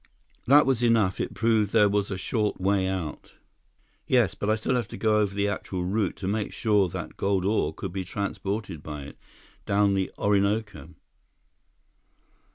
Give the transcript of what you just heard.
"That was enough. It proved there was a short way out." "Yes, but I still have to go over the actual route to make sure that gold ore could be transported by it, down the Orinoco."